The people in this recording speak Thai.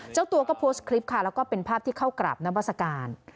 เจ้าตัวก็โพสต์คลิปค่ะแล้วก็เป็นภาพที่เข้ากราบนมัศกาล